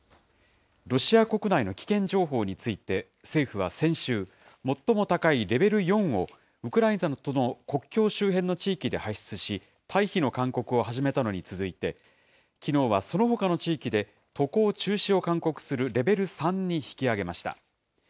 ロシア国内の危険情報について、政府は先週、最も高いレベル４をウクライナとの国境周辺の地域で発出し、退避の勧告を始めたのに続いて、きのうはそのほかの地域で、渡航中止を勧告するレベル３に引き上げました。